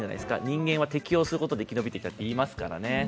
人間は適用することが生き延びてきたといいますからね。